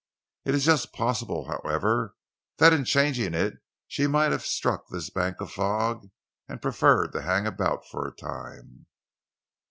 It is just possible, however, that in changing it she might have struck this bank of fog and preferred to hang about for a time."